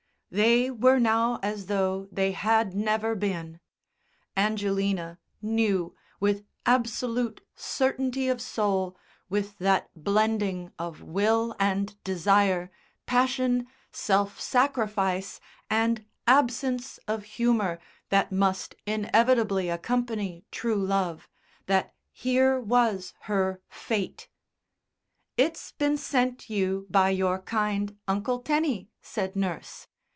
They were now as though they had never been; Angelina knew with absolute certainty of soul, with that blending of will and desire, passion, self sacrifice and absence of humour that must inevitably accompany true love that here was her Fate. "It's been sent you by your kind Uncle Teny," said nurse.